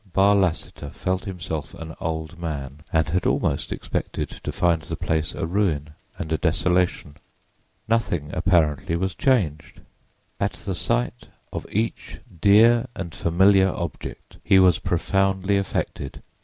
Barr Lassiter felt himself an old man, and had almost expected to find the place a ruin and a desolation. Nothing, apparently, was changed. At the sight of each dear and familiar object he was profoundly affected.